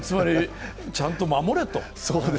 ちゃんと守れと？